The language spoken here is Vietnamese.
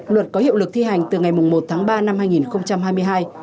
luật có hiệu lực thi hành từ ngày một tháng ba năm hai nghìn hai mươi hai